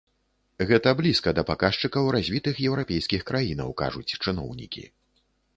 Гэта блізка да паказчыкаў развітых еўрапейскіх краінаў, кажуць чыноўнікі.